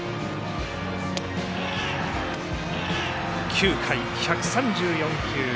９回、１３４球。